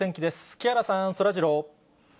木原さん、そらジロー。